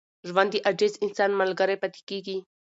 ژوند د عاجز انسان ملګری پاتې کېږي.